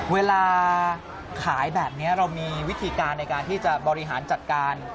เวลาขายแบบนี้เรามีวิธีการในการที่จะบริหารจัดการ